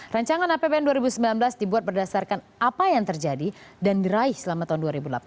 rancangan apbn dua ribu sembilan belas dibuat berdasarkan apa yang terjadi dan diraih selama tahun dua ribu delapan belas